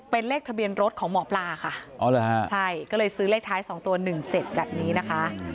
เป็นเลขทะเบียนรถของหมอปลาค่ะอ๋อเหรอฮะใช่ก็เลยซื้อเลขท้ายสองตัวหนึ่งเจ็ดแบบนี้นะคะ